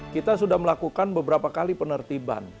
kita sudah melakukan beberapa kali penertiban